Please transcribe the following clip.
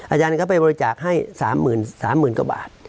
อาจารย์ก็ไปบริจาคให้๓๐๐๐กว่าบาท